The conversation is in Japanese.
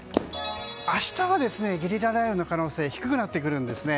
明日はゲリラ雷雨の可能性低くなってくるんですね。